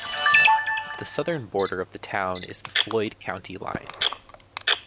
The southern border of the town is the Floyd County line.